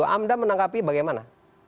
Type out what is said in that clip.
amda menangkapi bagaimana